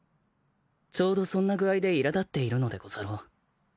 ちょうどそんな具合でいら立っているのでござろう。